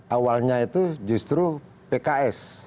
awalnya itu justru pks